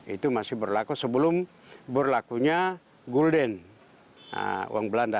itu masih berlaku sebelum berlakunya gulden uang belanda